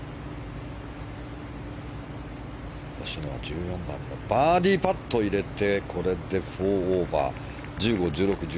星野は１４番バーディーパットを入れてこれで４オーバー。